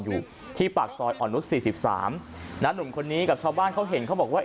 อยู่ที่ปากซอยอ่อนนุษย์๔๓นะหนุ่มคนนี้กับชาวบ้านเขาเห็นเขาบอกว่า